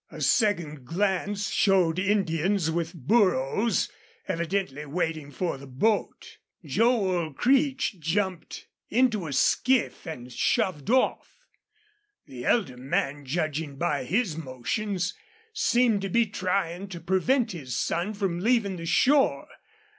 A second glance showed Indians with burros, evidently waiting for the boat. Joel Creech jumped into a skiff and shoved off. The elder man, judging by his motions, seemed to be trying to prevent his son from leaving the shore.